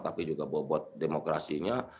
tapi juga bobot demokrasinya